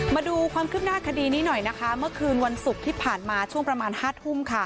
มาดูความคืบหน้าคดีนี้หน่อยนะคะเมื่อคืนวันศุกร์ที่ผ่านมาช่วงประมาณ๕ทุ่ม